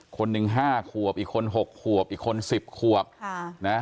คนหนึ่งห้าขวบอีกคนหกขวบอีกคนสิบขวบค่ะนะฮะ